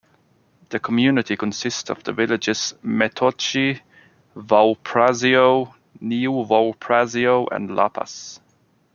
The community consists of the villages Metochi, Vouprasio, Neo Vouprasio and Lappas.